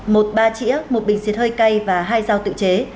một ba trĩa một bình xịt hơi cay và hai dao tự chế